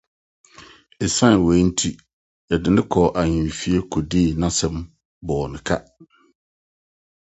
Esiane eyi nti, wɔde no kɔɔ Ahemfie kodii n’asɛm bɔɔ no ka.